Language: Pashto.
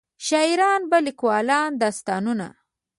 شاعرانو به لیکلو داستانونه.